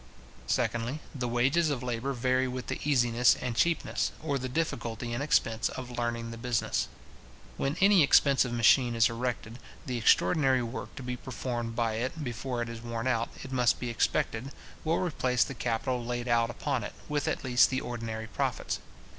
Secondly, the wages of labour vary with the easiness and cheapness, or the difficulty and expense, of learning the business. When any expensive machine is erected, the extraordinary work to be performed by it before it is worn out, it must be expected, will replace the capital laid out upon it, with at least the ordinary profits.